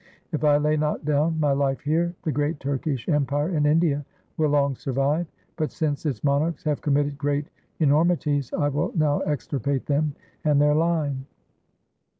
If I lay not down my life here, the great Turkish Empire in India will long survive ; but since its monarchs have committed great enor mities, I will now extirpate them and their line.'